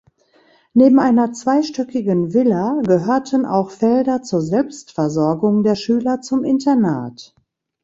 Neben einer zweistöckigen Villa gehörten auch Felder zur Selbstversorgung der Schüler zum Internat.